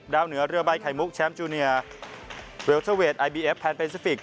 ดาวเหนือเรือใบไขมุกแชมป์จูเนียร์ไอบีเอฟแพลนแฟซิฟิก